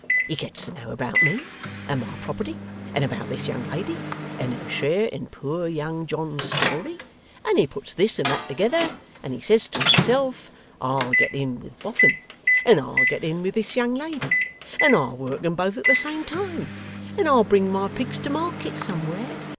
He gets to know about me and my property, and about this young lady, and her share in poor young John's story, and he puts this and that together, and he says to himself, "I'll get in with Boffin, and I'll get in with this young lady, and I'll work 'em both at the same time, and I'll bring my pigs to market somewhere."